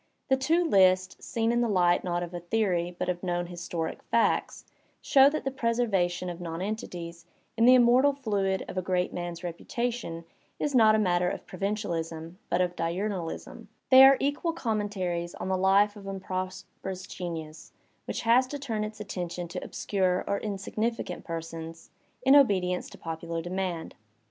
The two lists, seen in the light not of a theory but of known historic facts, show that the preservation of nonentities in the immortal fluid of a great man'a reputation is not a matter of provincialism but of "diumalism"; they are equal commentaries on the life of un prosperous genius which has to turn its attention to obscure or insignificant persons, in obedience to popular demand.